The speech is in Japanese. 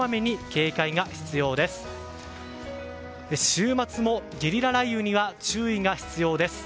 週末もゲリラ雷雨には注意が必要です。